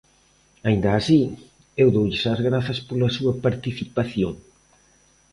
Aínda así, eu doulles as grazas pola súa participación.